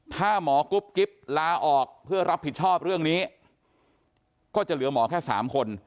ถ้าหมอกุ๊บกิ๊บลาออกเพื่อรับผิดชอบเรื่องนี้ก็จะเหลือหมอแค่๓คน